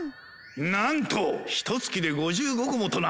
なんとひとつきで５５こもとな？